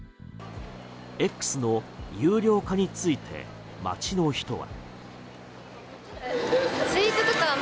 Ｘの有料化について街の人は。